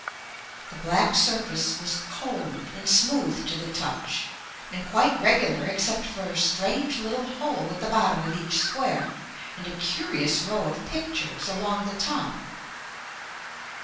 The black surface was cold and smooth to the touch and quite regular except for a strange little hole at the bottom of each square and a curious row of pictures along the top.